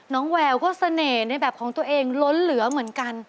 แววก็เสน่ห์ในแบบของตัวเองล้นเหลือเหมือนกัน